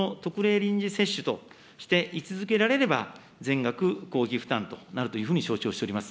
臨時接種としてい続けられれば、全額公費負担となるというふうに承知をしております。